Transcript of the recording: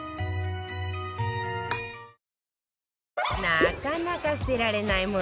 なかなか捨てられない物